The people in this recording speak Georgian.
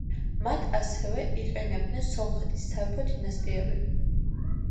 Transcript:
მათ, ასევე, იყენებდნენ სომხეთის სამეფო დინასტიები.